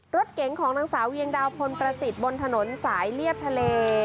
รถเก๋งของนางสาวเวียงดาวพลประสิทธิ์บนถนนสายเรียบทะเล